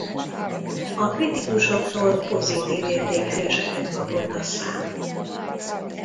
A kritikusoktól pozitív értékeléseket kapott a szám.